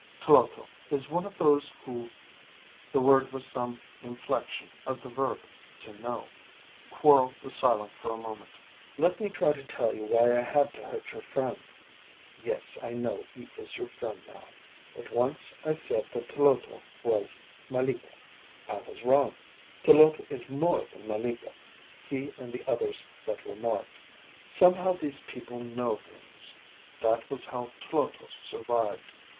Tloto is one of those who ." (The word was some inflection of the verb to know.) Quorl was silent for a moment. "Let me try to tell you why I had to hurt your friend. Yes, I know he is your friend, now. But once I said that Tloto was malika. I was wrong. Tloto is more than malika he and the others that were marked. Somehow these people know things. That was how Tloto survived.